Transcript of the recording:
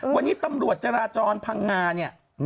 วันนี้ตำรวจจราจรพังงาเนี่ย